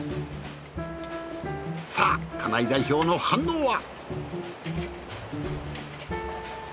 さあ金井代表の反応は？